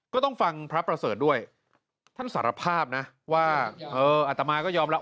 ก็ต้องฟังพระประเสริฐด้วยท่านสารภาพนะว่าเอออัตมาก็ยอมรับ